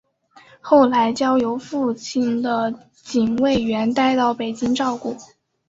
后来交由父亲的警卫员带到北京照顾。